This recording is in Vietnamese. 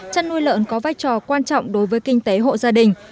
trăn nuôi lợn có vách trò quan trọng đối với kinh tế hộ gia đình